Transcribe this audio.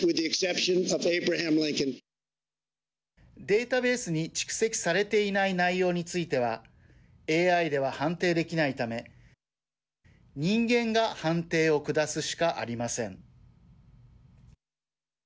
データベースに蓄積されていない内容についてはＡＩでは判定できないため人間が判定を下すしかありません。